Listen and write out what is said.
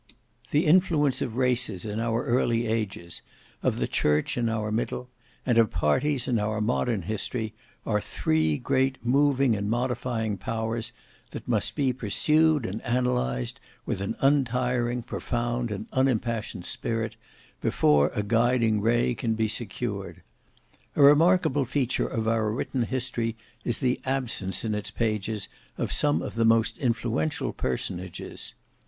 The influence of races in our early ages, of the church in our middle, and of parties in our modern history, are three great moving and modifying powers, that must be pursued and analyzed with an untiring, profound, and unimpassioned spirit, before a guiding ray can be secured. A remarkable feature of our written history is the absence in its pages of some of the most influential personages.